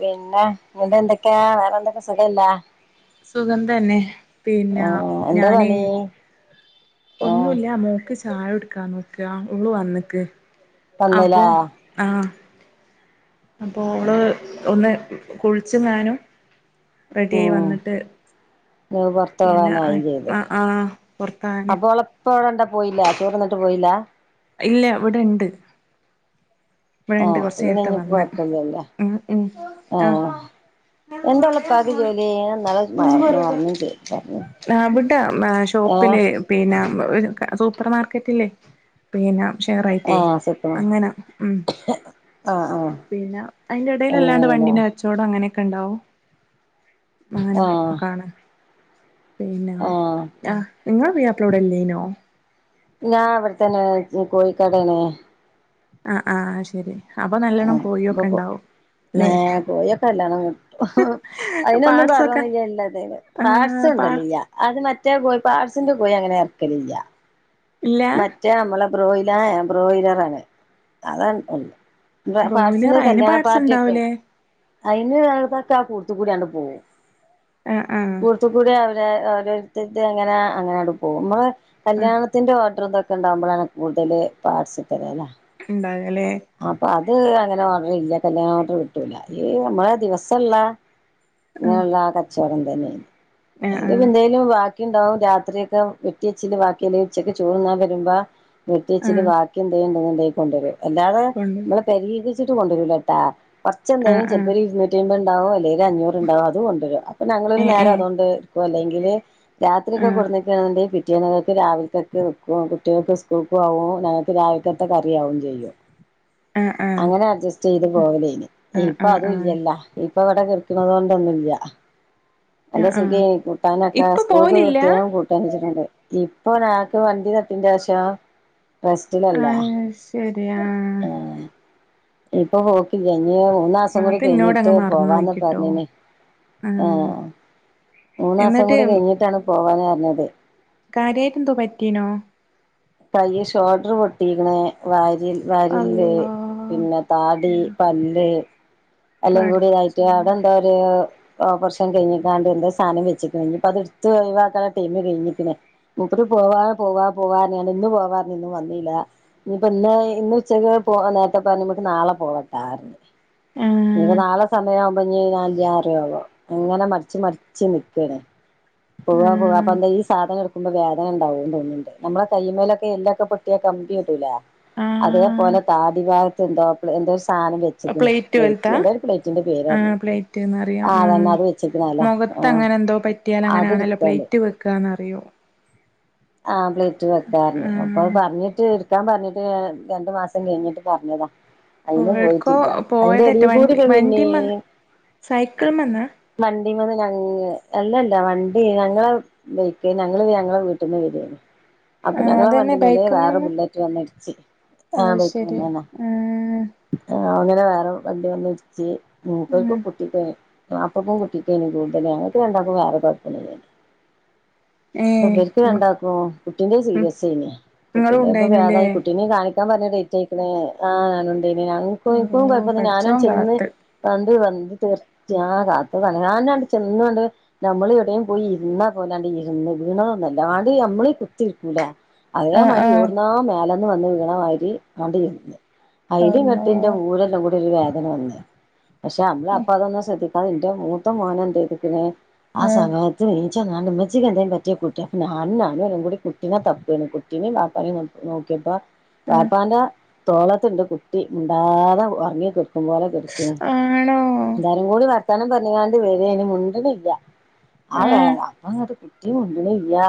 പിന്നെ നിടെ എന്തൊക്കെയാ വേറെ എന്തൊക്കെ സുഖ എല്ല സുഖം തന്നെ പിന്ന എന്താ ഞാന് പണി ആഹ് ഒന്നുല്ല മോക്ക് ചായ കോടുക്കാ നോക്കാ അവള് വന്നിക്ക്. അപ്പോ വന്നില്ലേ ആഹ്. അപ്പോ ഓള് ഒന്ന് കുഴിച്ചുങ്ങാനും. റെഡിയായി ഉം വന്നിട്ട് ഇങ്ങള് പൊറത്ത് പിന്നെ പോവാനായും ചെയ്ത് ആ ആ പുറത്തതാന്. പോരണ്ടു പോയില്ല ചോറന്നിട്ട് പോയില്ല. ഇല്ല ഇവിടെണ്ട്. ഇവിടെണ്ട് ആഹ് കൊറച്ച് പിന്നന്നെ നേരത്തെ ഇനിപ്പ വന്ന് കുഴപ്പല്ലല്ലേ ഉം ഉം ആഹ്. എന്താ ഓളുപ്പാക്ക് ജോലി ഞാൻ ഇന്നാള് മാറ മറന്നു ചെയ്തു പറഞ്ഞു. അവിട്ട ഏഹ് ഷോപ്പില് പിന്ന സൂപ്പർ മാർക്കറ്റില്ലേ പിന്നെ ഷെയറായിറ്റെ ആഹ് സിക്കണ അങ്ങനെ ഉം. ആഹ് ആഹ് പിന്നെ അയിന്റെ ഇടയില് അല്ലാണ്ട് അങ്ങനെയാണല്ലേ വണ്ടിന്റെ കച്ചവടം അങ്ങനെ ക്കണ്ടാവും അങ്ങനെ ആഹ് കാണാ പിന്നെ ആഹ് ആ നിങ്ങളെ പുയ്യാപ്പളാ ഇവിടെല്ലേനോ? ഞാൻ അവിടെത്തന്നെ കോഴിക്കടനെ. ആ ആ ശെരി അപ്പോ നല്ലെണ്ണം കോഴിയൊക്കെ ഉണ്ടാവും. ല്ലേ കോയൊക്കെല്ലണം കിട്ടും അതിനൊന്നും പാട്സൊക്കെ കൊറവ്വന്നില്ല ഇല്ലത് പാർട്സ് ആഹ് പാ കൊണ്ടേർലില്ല്യ അത് മറ്റേ പോയി പാർട്സിന്റെ കോയി അങ്ങനെ ഇറക്കലില്ല്യ. ഇല്ല മറ്റേ നമ്മളെ ബ്രോയില ബ്രോയിലറാണ് അത ഒ ബ്രോയിലർ പാർട്സിന്റെ അയിന് കല്യാണ പാട്സ് പാർട്ടിയോക്കെ. ഉണ്ടാവൂലേ അതിന് വടത്തൊക്കെ ആ കൂടുത്തു കൂടി അണ്ട് പോകവും ആഹ് ആഹ് കൂർത്തു കൂടി. ഓരോരുത്ത എങ്ങനെ അങ്ങനെ പോകും നമ്മള് ആഹ് കല്യാണത്തിന്റെ പറ്റന്തൊണ്ടകുമ്പോണ് കൂടുതൽ പാർട്സ് കിട്ടല് അല്ലെ. ഉണ്ടായാലേ അത് അങ്ങനെ ഓർഡർ ഇല്ല കല്യാണം ഓർഡർ കിട്ടൂല ഈ നമ്മള ദിവസ്സിള്ള ആഹ് അങ്ങനെയള്ള ആ കച്ചവടം തന്നെയ ആഹ് അ ആഹ് എന്തേലും ബാ ക്കി ഉണ്ടാവും രാത്രിയൊക്കെ വെട്ടിയച്ചില് ബാക്കിയല്ലേ ഉച്ചക്ക് ചോറുണാ വരുമ്പോ പ്രത്യച്ചില് ആഹ് വാക്കി എന്തെയും ഉണ്ടേൽ കൊണ്ടുവരു അല്ലാതെ കൊണ്ടോയി നമ്മളെ പരിഹരിച്ചട്ട് കൊണ്ടുവരുലേട്ടാ. കുറച്ച് ആഹ് എന്തെങ്കും ചിലപ്പോ ആഹ് ഒരു ഇരുന്നൂറ്റിമ്പണ്ടാവും ഉണ്ടാവോ അല്ലെങ്ക ഒരു അഞ്ഞൂറ്ണ്ടാവും അതു കൊണ്ടുവരുവാ അപ്പൊ ഞങ്ങളൊ ഏഹ് നേരം അതോണ്ട് പൊ അല്ലെങ്കില് രാത്രി ഒക്കെ ഏഹ് കൊടുതയ്ക്ക കിട്ട കുട്ടിയ നകൾക്ക് രാവിലത്തൊക്കെ വൽക്കും കുട്ടികൾക്ക് സ്കൂൾക്ക ആവും ഞങ്ങൾക്ക് രാവിലത്തൊത്തെ കറിയാവുകയും ചെയ്യും. ആഹ് ആഹ് ആഹ് അങ്ങനെ അഡ്ജസ്റ്റ് ചെയ്ത് പോകലേന് ആഹ് ഇപ്പൊ ആഹ് അതും ആഹ് ഇല്ലല്ല. ഇപ്പൊ എവിടെ കിടക്കണത കൊണ്ടൊന്നുല്ല്യ. അല്ല ആഹ് ആഹ് സുഖയെന് കൂട്ടാനൊക്കെ ഇപ്പൊ സ്കൂൾക്ക് പോവലില്ല പ്രത്യേകം കൂട്ടാനച്ചിട്ടുണ്ട് ഇപ്പൊഴാ ക്ക് വണ്ടി തട്ടിന്റവശ്യം റസ്റ്റിലല്ല. ആഹ് ശരി ആഹ് ആ ഇപ്പൊ ഹോക്കി ഇ മൂന്നാസം കൂടി അത് ഇന്നോട് കഴിഞ്ഞിട്ട് അങ്ങ് മറന്ന് പോവാന്ന് പോയിക്കിട്ടോ പറഞ്ഞേനെ ആഹ്. മൂന്നാസം എന്നിട്ട് കൂടി കഴിഞ്ഞിട്ടാണ് പോവാഞ്ഞ് അറിഞ്ഞത്. കാര്യായിട്ട് എന്തോ പറ്റീനോ? പയ്യ ഷോൾഡർ പൊട്ടിക്കണ് വ വാരി എല്ല് അള്ളാ പിന്നെ താടി പല്ല് എല്ലാം കൂടിതായിട്ട് പടച്ചോനെ അവിടെന്താ ഒരു ഓപ്പറേഷൻ കഴിഞ്ഞിക്കാണ്ട് എന്താ സാനം വെച്ച്ക്കണ് ഇഞ്ഞിപ്പ അത് എടുത്ത് ഒഴിവാക്കണ ടൈം കഴിഞ്ഞിക്കണ് മൂപ്പര് പോവാ പോവാ പോവാ ഇന്ന് പോവാൻ ഇന്നും വന്നില്ല ഇനിയിപ്പോ ഇന്ന് ഇന്ന് ഉച്ചക്ക് പോവാ നേരത്തെ പറഞ്ഞ നമുക്ക് നാളെ പോവാ [unintelligible] മൂ ആഹ് നാളെ സമയാ അപ്പഞ്ഞി ഞാൻ ഇല്യ റ്യാവോ ഞങ്ങനെ മടിച്ച് മടിച്ച് നിക്കാണ്. പോവാ പോവാ അപ്പ ആഹ് എന്താ ഈ സാധനം ഇട്ക്കുമ്പോ വേദന ഉണ്ടാവുംന്ന് തോന്ന്ണ്ട് നമ്മള കയ്യ്മേലൊക്കെ എല്ലൊക്കെ പൊട്ടിയാ കമ്പി ഇടൂലേ, ആഹ് അതേപോലെ താടി ഭാഗത്ത് എന്തോ പ്ള് എന്തോ സ് സാനം വെച്ച്ക്ക്ണ് പ്ലേറ്റ് എന്തോ ഒരു പ്ലേറ്റിന്റെ പേരർഞ്ഞ്. ആഹ് ആ അതന്നെ അത് വെച്ചേക്ക്ണേലാ. പൊർത്തങ്ങനെ എന്തോ പറ്റിയാലങ്ങനാണല്ലോ പ്ലേറ്റ് വെക്കാന്നറിയും. ആഹ് പ്ലേറ്റ് വെക്കാർഞ്ഞ്. അപ്പൊ അത് ആഹ് പറഞ്ഞിട്ട് ഇട് ക്കാൻ പർഞ്ഞിട്ട് രണ്ട് മാസം കഴിഞ്ഞിട്ട് പറഞ്ഞതാ. അയിന് ഓഹ് എവിട്ക്കോ പോയിട്ടില്യ. ഐൻ്റെടീകൂടിപ്പോ പിന്നീം സൈക്കിൾമന്നാ? ഞങ്ങ് അല്ലല്ല വണ്ടി ഞങ്ങളെ ബൈക്ക് ഞങ്ങള് ഞങ്ങളെ വീട്ട്ന്ന് വെരേനി. അപ്പൊ ആഹ് ഞങ്ങളെ വണ്ടി അതന്നെ മ്മല് വേറെ ബുള്ളറ്റ് വന്ന്ട്ച്ച്. അയ് ശെരി, ആ. ആവ് അങ്ങനെ വേറെ വണ്ടി വന്ന് ഇട്ച്ച് ആഹ് മൂപ്പര്ക്കും കുട്ടിക്കേ മപ്ലക്കും കുട്ടിക്കേനി കൂട്തല് ഞങ്ങക്ക് രണ്ടാക്കും വേറെ കൊഴപ്പൊന്നുല്ലേനീ. ഏ ഇപ്പ രണ്ടാക്കും കുട്ടിൻ്റത് സീരിയസേനി. ഇങ്ങളും കുട്ടിൻ്റെത്പ്പൊ ഉണ്ടായിനുല്ലേ പേതായി കുട്ടിനിം കാ ണിക്കാൻ പർഞ്ഞ ഡേറ്റ് ഐക്ക്ണ്. ആ ഞാനുണ്ടേന്ന്. ഞങ്ങക്ക് [unintelligible] ഓ കൊഴപ്പൊന്നും ഞാനാണ് പടച്ചോൻ ചെന്ന് കാത്ത് [unintelligible] വണ്ടി തെർച്ച് ആ കാത്തതാണ്. ഞാനാണ്ട് ചെന്നൊണ്ട് നമ്മള് എവിടെം പോയി ഇര്ന്ന പോലാണ്ട് ഇര്ന്ന്. വീണതൊന്നല്ല ആടീ നമ്മളീ കുത്തിരിക്കൂലെ ആഹ് അതേമാരി ആഹ് എവ്ട്ന്നാ മേല ന്ന് വന്ന് വീണമാരി ആണ്ട്ഇര്ന്ന്. അള്ളാ ഐല്ങ്ങട്ട് ഇന്റെ ഊരെല്ലാംകൂടി ഒരു വേ ദന വന്ന്. പക്ഷെ നമ്മള് അപ്പ അതൊന്നും ശ്രദ്ധിക്കാതെ ഇന്റെ മൂത്ത മോനന്തേയ്ത് ക്ക്ണ്. ആ ആഹ് സമയത്ത് നീച്ചന്നാണ്ട് ഇമ്മച്ചിക്കന്തേം പറ്റ്യേ കുട്ടി ഞാനും ഞാനു ഓനും കൂടി കുട്ടിനെ തപ്പാണ്. കുട്ടിനിം വാപ്പാനിം നോക്ക്യപ്പ ആഹ് വാപ്പാന്റെ തോളത്ത്ണ്ട് കുട്ടി മുണ്ടാതെ ഒർങ്ങി കെട് ക്കുമ്പോലെ കെട്ക്ക്ണ്. ആണോ എല്ലാരും കൂടി വർത്താനം പറഞ്ങ്ങാണ്ട് വരേനി, മുണ്ട്ണില്ല്യ. ആ വേ ആഹ് അപ്പങ്ങട്ട് കുട്ടീ മുണ്ട്ണ്ല്ല്യാ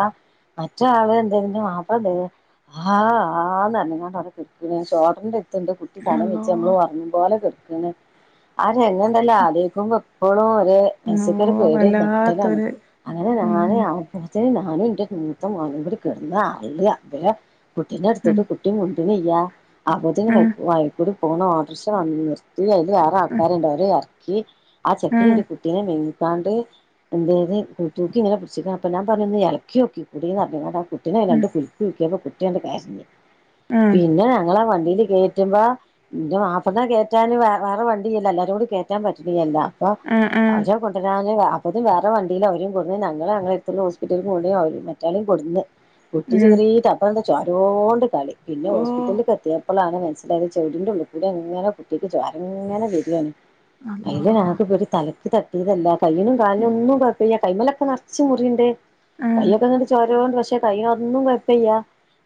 മറ്റേ ആള് എന്തെ [unintelligible] ഇൻ്റെ മാപ്പ്ള എന്തെയ്ത് ആഹ് ആന്നർഞ്ഞ്ങ്ങാണ്ടവ്ടെ കെട്ക്ണ് ശോൾഡർൻ്റ ട്ത്ത്ണ്ട് കുട്ടി അള്ളോ തലവെച്ച് നമ്മള് ഒർങ്ങുമ്പോലെ കെട് ക്ക്ണ്. ആ രങ്ങെണ്ടല്ലോ ആലോയ്ക്കുമ്പോ ഇപ്പളും ഇക്ക് ന്നോ മനസ്സ്ക്കൊരു പേടി ഒരു നെട്ടലാണ്. വല്ലാത്തൊരു അങ്ങനെ ഉം ഞാന് [unintelligible] ഏഹ് ഞാനും ഇന്റെ മൂത്തമോനും കൂടി കെട്ന്ന് അർള വേം ഉം കുട്ടിനെട്ത്ത്ട്ട് കുട്ടി മു മണ്ട്ണ്യ്യ അപ്പത്തിന് ആഹ് വൈക് വയീ കൂടി പോണ ഓട്ടർക്ഷ വന്ന് നിർ ഇല്ല്യ ഐല് വേറെ ആഹ് ആൾക്കാര്ണ്ട് ഓര് എർക്കി. ആ ചെക്കന് ആഹ് ഇന്റെ കുട്ടിനെ മേ ക്കാണ്ട് എന്തെയ്ത് കൂ തൂക്കി ഇങ്ങനെ പിട്ച്ച്ക്ക അപ്പൊ ഞാൻ പർഞ്ഞ് ഒന്ന് എളക്ക്യോക്കൂടീന്നർഞ്ങ്ങാണ്ട് ആ കുട്ടിനെ ഉം രണ്ട് കുൽക്ക് കുൽക്യപ്പോ കുട്ട്യാണ്ട് കര്ഞ്ഞ് ആഹ് പിന്നെ ഞങ്ങളാ വ ണ്ടീല് കേറ്റുമ്പോ ഇൻ്റെ മാപ്പള്നെ കേറ്റാന് വേറെ വണ്ടി ഇയ്യല്ലോ എല്ലാരൂടി കേറ്റാൻ പറ്റ്ണ്യ്യല്ലാ. അപ്പൊ ആഹ് ആഹ് അവരെ കൊണ്ടരാന് വേ അപ്പത്തിന് വേറെ വണ്ടീല് അവരിം കൊട്ന്ന് ഞങ്ങള് ഞങ്ങ ത്ത്ള്ള ഹോസ്പിറ്റല്ക്ക് കൊണ്ടോയി അവ മറ്റാളിം കൊട്ന്ന്. കുട്ടി ഉം ചീറീട്ട് അപ്പന്താ ചോരോണ്ട് കളി പിന്നെ ഓഹ് ഹോസ്പിറ്റല്ല് ക്ക് എത്യപ്പളാ ണ് മനസ്സിലായത് ചൗടിൻ്റെള്ളു ക്കൂടെങ്ങനെ കുട്ടിക്ക് ചോരങ്ങനെ വെരാണ്. അള്ളാ ഐലാണ് ആകെ പേടി തലക്ക് തട്ടീത ല്ലാ കയ്യിനും കാലിനൊന്നും കൊഴപ്പല്യ. കൈമലൊക്കെ നർച്ച് മുറിണ്ട് ആഹ് കയ്യൊക്കെങ്ങട്ട് ചോരോണ്ട് പക്ഷെ കയ്യിനൊന്നും കൊഴപ്പയ്യ.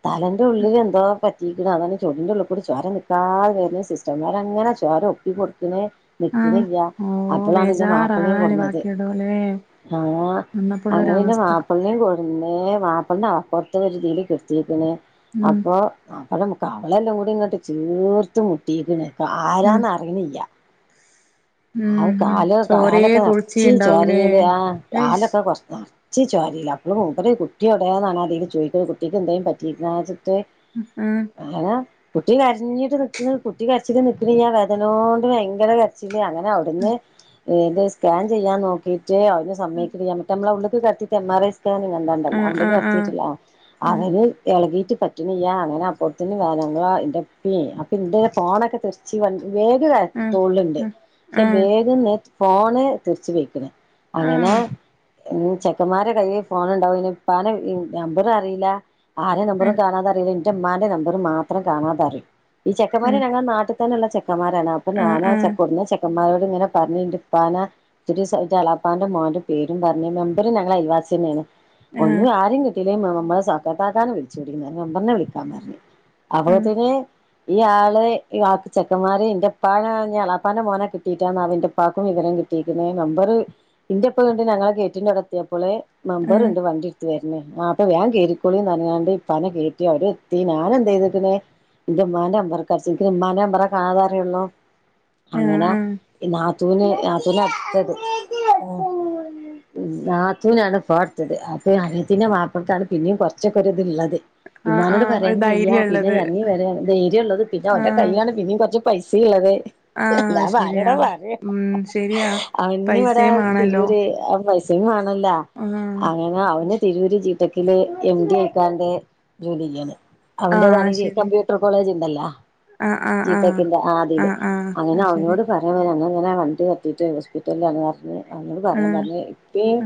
തലൻ്റെ ഉള്ളില് എന്തോ പറ്റീക്ക്ണ് അതാണ് ചൗടിന്റെ ഉള്ളി കൂടെ ചോര നിക്കാതെ വര്ണ്. സിസ്റ്റർമാങ്ങനെ ചോര ഒപ്പി കൊടുക്ക്ണ് ആഹ് നിക്ക്ണ്ല്യ ഓ അപ്പളാണ് ഇന്റെ മാപ്പൾനിം ബേജാറാകാന് കൊട്ന്നത്. ബാക്കിയുള്ളൂല്ലേ ആ അ [unintelligible] ൻ്റെ വന്നപ്പോള്ളൊരവസ്ഥ മാപ്പൾനിം കൊട്ന്ന് മാപ്പൾനെ അപ്പൊർത്തെ ഒരു തില് കെട്ത്തീക്ക്ണ് ഉം അപ്പൊ മാപ്പളെ കവെളെല്ലാം കൂടി ഇങ്ങട്ട് ചീർത്ത് മുട്ടീക്ക്ണ് ഉം ആരാന്ന് അറിണില്ല്യ ഉം അഹ് ഉം കാല് ചോരേ കാലൊക്കെ നെർച്ച് കുളിച്ചിണ്ടാവൂലേ ചോരേല് ആ ഹൈസ് കാലൊക്കെ കൊർ നർച്ച് ചോരേലാ അപ്പഴും മൂപ്പര് കുട്ടിയോടേന്നാണ് ആതില് ചോയ്ക്ക്ണ് കുട്ടിക്ക് എന്തേം പറ്റീക്ക്ണാച്ച് ട്ട് ഉം അങ്ങനെ കുട്ടി കരഞ്ഞിട്ട് നിക്ക്ണ് കുട്ടി കരച്ചില് നിക്ക്ണിയ്യ വേദനോണ്ട് വയങ്കര കരച്ചില് അങ്ങനെ അവിട്ന്ന് എ എന്ത് സ്കാൻ ചെയ്യാൻ നോക്കീട്ട് അവിട്ന്ന് സമ്മയ്ക്ക്ണിയ്യ മ്മളെ ഉള്ള്ക്ക് കെടത്തീട്ട് എം ആർ ഐ സ്കാനിങ് എന്താണ്ടല്ല ആഹ് ഉള്ള്ക്ക് ആഹ് കെടത്തീട്ട്ള്ള ആ ആഹ് അങ്ങനെ എളകീട്ട് പറ്റ്ണിയ്യ അങ്ങനെ അപ്പോത്തിന് [unintelligible] എന്റെപ്പിം അപ്പ ന്റെ ഫോണൊക്കെ തെറിച്ച് വണ്ടി ബേഗ് അ ആഹ് തോള്ള്ല് ഉണ്ട് പക്ഷെ ആഹ് ബേഗിന്ന് ഫോണ് തെറിച്ച് പൊയ്ക്ക്ണ് ആഹ് അങ്ങന ആഹ് ഉം ചെക്കന്മാരെ കയ്യി ഫോണുണ്ടാവും ഇനി പ്പാനെ വി നമ്പറ് അറീല ആരെ നമ്പറും ആഹ് കാണാതറിയല് എന്റെമ്മാന്റെ നമ്പറ് മാത്രം കാണാതറിം ഈ ചെക്കമാര് രണ്ടാളും നാട്ട [unintelligible] ചെക്കന്മാരാണ് അപ്പൊ ആഹ് ആഹ് ആഹ് ആഹ് ഞാനാ ചെക്ക് കൊടുന്ന ചെക്കന്മാരോട് ഇങ്ങനെ പറഞ്ഞ്ന്റെപ്പാനെ ഇത്രീസായി ന്റളാപ്പാന്റെ മോന്റെ പേരും പറഞ്ഞ മെമ്പറ് ഞങ്ങളെ അയൽവാസിന്നേണ് ആഹ് ആഹ് ഒന്നും ആ രിം കിട്ട നമ്മളെ സക്കത്താക്കാനെ വിളിച്ചുടീന്നറഞ്ഞ് മെമ്പറിനെ വിളിക്കാം പറഞ്ഞ് അപ്പോത്തിന് ഈ ആള് ഈ ആൾക്ക് ചെക്കന്മാര് ഇന്റെ പ്പാനെ ഇഞ്ഞ് എളാപ്പാന്റെ മോനെ കിട്ടിട്ടാന്നാവം ഇന്റെ പ്പാക്കും വിവര കിട്ടിക്ക്ണ് നമ്പറ് ഇന്റെപ്പണ്ട് ഞങ്ങളെ ഗേറ്റിന്റെ അവടെത്തിയപ്പള് മെമ്പറ്ണ്ട് വണ്ടി ഇട്ത്ത് വര് ആ ഇപ്പൊ വേം കേരി ക്കോളീന്നറഞ്ഞിങ്ങാണ്ട് ഇപ്പാനെ കേറ്റി അവര് എത്തി ഞാനെന്തെയ്ത്ക്ക്ണ് ചെയ്തിട്ടുന്നേ ഇന്റെമ്മാന്റെ നമ്പറിക്കടിച്ച് ഇക്ക് മ്മാന്റെ നമ്പറെ കാണാത റിയൊള്ളൂ ആഹ് ആഹ് അങ്ങനെ ആഹ് ഇ നാത്തൂന് നാത്തൂന്റെ ഉമ്മച്ചേ [unintelligible] ഡ്രസ്സ് ഒന്നും അടുത്തത് നാത്തുനാണ് ഫോൺട്ത്തത് അപ്പ അനിയത്തിന്റെ മാപ്പ്ളക്കാണ് പിന്നെയും കൊറച്ചൊക്കെ ഒര് ഇത്ള്ളത് ഇമ്മാനോട് ആഹ് ഒരു പറയാനും വെയ്യ പിന്നെ ധൈര്യള്ളത് എറങ്ങി വര ധൈര്യം ഉള്ളത് പിന്നെ ഓന്റെ ആഹ് കയ്യാണ് പിന്നിം കുറച്ച പ്പൈസ ഇള്ളത് ആഹ് എല്ലാ അത് പ്പോ ശെരിയാ ആരോടാ പറ്യ ഉം ശെരിയാ അവന്ന് ഇവിട പൈസയും വാണല്ലോ തിരൂര് പൈ പൈസയും വാണല്ല ആഹ് അങ്ങനെ അവന് തിരൂര് ജീട്ടക്കില് എം ഡി ആയിക്കാണ്ട് ജോലിയ്യാണ് ആഹ് അവന്റേതാണ് അത് [unintelligible] ശെരി കമ്പ്യൂട്ടർ കോളേജ് ഇണ്ടല്ലാ ആഹ് ആഹ് ആഹ് ജീട്ടക്കിന്റെ ആ അദില് ആഹ് ആഹ് അങ്ങനെ അത് ശെരി അവനോട് പറയാൻവരാ അങ്ങനെ അങ്ങനെ വണ്ടി തട്ടിയിട്ട് ഹോസ്പിറ്റലിലാണ് അറിഞ്ഞ് അവനോട് പറയാൻ ആഹ് പറഞ്ഞ് ഇപ്പിം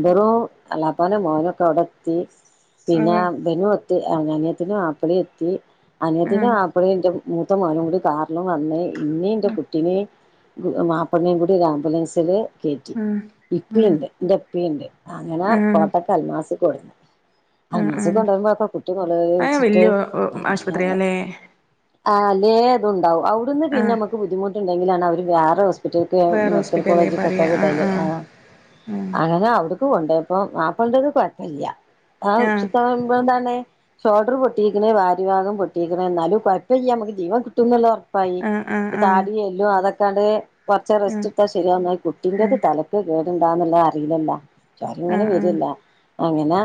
ഇവറും എളാപ്പാന്റെ മോനൊക്കെ അവിടെത്തി പിന്നെ ആഹ് ഇബനു അനിയത്തിന്റെ മാപ്പളിം എത്തി അനിയത്തിന്റെ ആഹ് മാപ്പളിം ഇന്റെ മൂത്ത മോനും കൂടി കാർ ഇന്നും വന്ന് ഇന്നിം ഇന്റെ കുട്ടിനീം മാപ്പെൾനിം കൂടി ഒരു ആംബുലൻസില് കേറ്റി ആഹ് ആഹ് ഇപ്പിംണ്ട് എന്റെപ്പിംണ്ട് അങ്ങനാ ആഹ് കോട്ടക്ക അൽമാസ് ക്കൊടുന്ന് ആഹ് ആഹ് അൽമാസ്ക്കൊണ്ടരു ബൊക്കെ കുട്ടി അത് നൊലോള്ച്ചിട്ട് വല്യ അങ്ങനെ ആശുപത്രിയാല്ലേ ആ എല്ലേതുംണ്ടാവും അവു ടുന്ന് പിന്നെ ആഹ് നമക്ക് ബുദ്ധിമുട്ടുണ്ടെങ്കിലാണ് അവര് വേറെ ഹോസ് പിറ്റൽക്ക് ആ വേറെ മെഡിക്കൽ ഹോസ്പിറ്റലേ കോളേജ്ക്ക്‌ പറയാ [unintelligible] ആ ആഹ് ആ അങ്ങനെ അവിട്ക്ക് കൊണ്ടോയപ്പോ മാപ്പളന്റെത് കൊഴപ്പല്ല്യ ആ ആഹ് [unintelligible] ഷോൾഡറ് പൊട്ടിക്ക്ണ് വാരി ഭാഗം പൊട്ടിക്ക്ണ് എന്നാലും കൊഴപ്പല്ല്യ നമുക്ക് ജീവൻ കിട്ടും എന്ന ഒർ ആഹ് [unintelligible] ആഹ് താടിയെല്ലും അതൊ [unintelligible] കൊറച്ച ആഹ് റെസ്റ്റ് ഇട്ത്താ ശരിയാവുന്ന കുട്ടിന്റെത് ആഹ് തലക്ക് കേടുണ്ടാന്നുള്ളെ അറീലല്ലാ ചോരങ്ങനെ ആഹ് ആഹ് വര് ല്ലേ ആഹ് അങ്ങനെ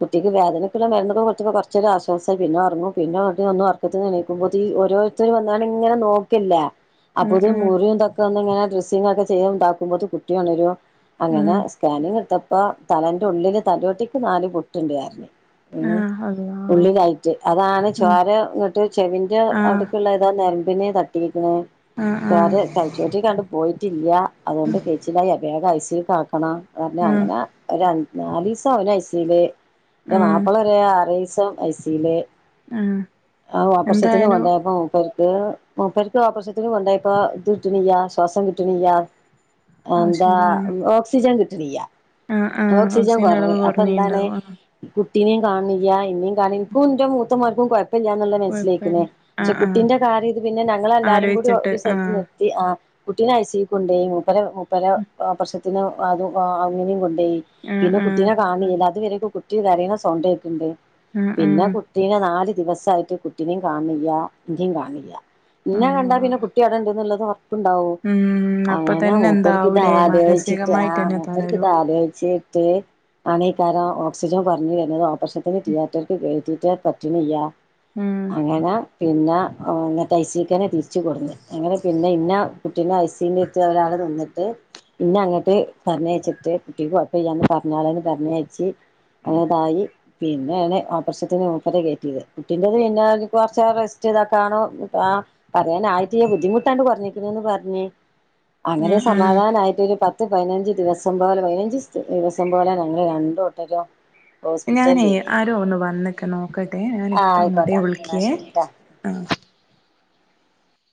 കുട്ടിക്ക് വേദനക്കുള്ള മരുന്നൊക്കെ കൊടുത്തപ്പോ കൊറച്ചൊരു ആശ്വാസം പിന്നെ ഒറങ്ങുംപിന്നെ ഒന്നുറക്കത്തിന നീക്കുമ്പോത്തിന് ഓരോരുത്തര് വന്ന് ങ്ങാണ്ട് ഇങ്ങനെ നോക്ക്ല്ലേ ആഹ് ആഹ് അപ്പോത്തിന് ആഹ് മുറിയും ഇതൊക്കെ ഒന്നിങ്ങനെ ഡ്രസ്സിങ്ങൊക്കെ ചെയ്യും ഇതാക്കുമ്പോത്തിന് കുട്ടിയൊ ണരും അങ്ങനെ ആഹ് സ്കാനിങ്ങ് ഇടുത്ത പ്പോ തലന്റെ ഉള്ളില് തലോട്ടിക്ക് നാല് പൊട്ട്ണ്ട് ന്നറഞ്ഞ് ആഹ് അതെ ഉള്ളി കയറ്റ് അതാണ് ചോര ഇങ്ങട്ട് ചെവിന്റെ ആഹ് അവിടക്ക്ള്ള ഏതോ നെര പിന്നെ തട്ടീക്ക്ണ് ആഹ് ചോര ആഹ് തലച്ചോറ്റിക്കാണ്ട് പോയിട്ടില്ല്യ അത് കൊണ്ട് കെയ്ച്ചിലായി അ വേഗം ഐ സ്യൂക്ക് ആക്കണം അത് പറഞ്ഞ് ആഹ് അങ്ങനെ ഒരു അഞ്ച് നാലീസം അവന് ഐസ്യൂല് എന്റെ ആഹ് മാപ്പള ഒര് ആറേയീസം ഐസ്യൂല് ആഹ് ആ ഓപ്രശത്തിന് എന്തായാലും കൊണ്ടേയപ്പം മൂപ്പര് [unintelligible] മൂപ്പര്ക്ക് ഓപ്രശത്തിന് കൊണ്ടോയപ്പം ഇത് കിട്ട്ണിയ്യ ശ്വാസം കിട്ട്ണിയ്യ ആ ശരി ആ ഓക്സിജൻ കിട്ടണില്ല്യ. ഓക്സിജൻ ഓക്സിജന്റെ കൊറവ് അളവ് അപ്പൊ എന്താണ് കുറഞ്ഞീണ്ടാവും ആഹ് കുട്ടീനേം കാണണില്ല്യ, എന്നെ കാണ, നിക്കും എൻ്റെ മൂത്തമൊക്കും കൊഴ ല്ല്യന്നുള്ള മനസ്സിലേക്കുന്നേ. കൊഴപ്പല്ല പക്ഷെ ആഹ് ആഹ് കുട്ടിന്റെ കാര്യ, ഇത്, പിന്നെ, ഞങ്ങൾ, എല്ലാരും, കൂടി, ആലോചിച്ചിട്ട് ഒരു സ്ഥലത്ത് ആഹ് നിർത്തി. ആ കുട്ടീനെ ഐ സി യു കൊണ്ടോയി. മുപ്പരെ, മൂപ്പരെ, ഓപ്രശ്ത്തിന് അത്, അങ്ങനെയും, കൊണ്ടോയി. ആഹ് പിന്നെ ആഹ് കുട്ടീനെ കാണണില്ല. അതുവരെക്കെ കുട്ടി കരയണ സൗണ്ട് കേക്കണ്ട്. ആഹ് പിന്ന ആഹ് കുട്ടീനെ നാല് ദിവസായിട്ട് കുട്ടിനേം കാണണില്ല്യ. ന്റേം കാണണില്ല്യ എന്നെ, അള്ളാ കണ്ടാ, പിന്നെ, കുട്ടി അടേണ്ട്ന്നുള്ളത് പ്പണ്ടാവോ, ഉം അപ്പൊ അങ്ങനെ തന്നെ മൂപ്പേര്ക്ക്ത് എന്താവൂലേ ആദ്യഴ്ച ആ മാനസികമായിട്ട് തന്നെ മൂപ്പർക്ക് ഇത് തളരും ആലോച്ചി ട്ട് അണക്കാരം ഓക്സിജൻ കോർഞ് വര പ്രസവത്തിന് തിയേറ്റർക്ക് കേറ്റിട്ടാ പറ്റണില്ല ഉം അങ്ങന പിന്ന, അങ്ങനത്തെ, ഐ സിക്കനെ തിരിച്ച് കൊടുത്ത്. അങ്ങന, പിന്നെ, ഇന്ന, കുട്ടീനെ, ഐസീൻ്റെത്ത് ഒരാള് വന്നിട്ട് പിന്ന അങ്ങ ട്ട്, പറഞ്ഞയച്ചിട്ട്, കുട്ടിക്ക്ഴപ്പില്ലാന്ന് പറഞ്ഞാളേന്ന്, പറഞ്ഞയച്ചി അനതായി പിന്നെയാണ് ഓപ്രശ്ത്തിന് മൂപ്പരെ കേറ്റിയത്. കുട്ടിൻ്റെത് പിന്നെ കുറച്ച റെസ്റ്റ് ഇതാക്ക കാണോ പറയാൻ ആയിട്ടില്ല ബുദ്ധിമുട്ടാണ്ട് പറഞ്ഞിരിക്കുന്നന്ന് പറഞ്ഞ് അങ്ങനെ ഉം ഉം സമാധാനയിട്ടൊരു പത്ത് പത്ത് പതിനഞ്ച് ദിവസം പോലെ പതിനഞ്ച് ദിവസം പോലെ ഞങ്ങള് രണ്ടുട്ടരും ഞാനേ, ആരോ ഒന്ന് വന്നൊക്കെ നോക്കട്ടെ, ആഹ് ഞാനിപ്പം അങ്ങോട്ടേ ആയിക്കോട്ടെ എന്നാ വിളിക്കിയേ. ശരിട്ടാ ആ